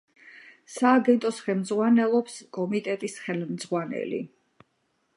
სააგენტოს ხელმძღვანელობს კომიტეტის ხელმძღვანელი.